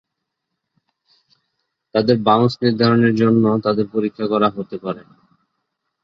তাদের বাউন্স নির্ধারণের জন্য তাদের পরীক্ষা করা হতে পারে।